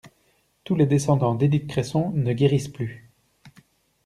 Tous les descendants d'Edith Cresson ne guérissent plus.